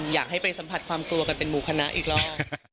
อยากให้ไปสัมผัสความกลัวกันเป็นหมู่คณะอีกรอบ